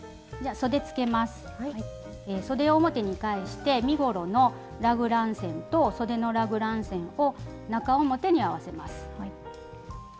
そでを表に返して身ごろのラグラン線とそでのラグラン線を中表に合わせます。